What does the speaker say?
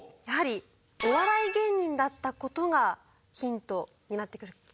やはりお笑い芸人だった事がヒントになってくる。